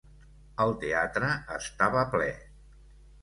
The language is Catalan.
El teatre estava ple.